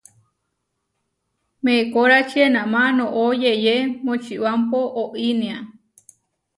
Meekórači enamá noʼó yeʼyé Močibámpo oínia.